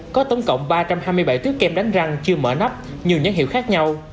có tổng cộng ba trăm hai mươi bảy tuyết kem đánh răng chưa mở nắp như nhánh hiệu khác nhau